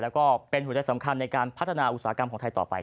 แล้วก็เป็นหัวใจสำคัญในการพัฒนาอุตสาหกรรมของไทยต่อไป